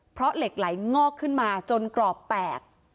เพราะเหล็กไหลงอกขึ้นมาจนกรอบแตก